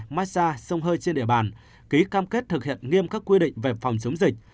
massage sông hơi trên địa bàn ký cam kết thực hiện nghiêm các quy định về phòng chống dịch